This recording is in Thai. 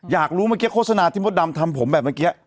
อยากรู้เมื่อกี้โฆษณาที่มดดำทำผมแบบเมื่อกี้